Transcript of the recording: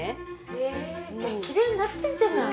へえきれいになってるじゃない。